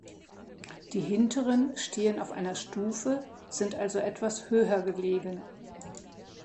Die hinteren stehen auf einer Stufe, sind also etwas höher gelegen.